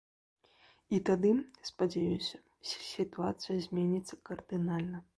І тады, спадзяюся, сітуацыя зменіцца кардынальна.